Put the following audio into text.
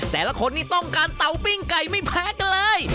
แต่ละคนนี่ต้องการเตาปิ้งไก่ไม่แพ้กันเลย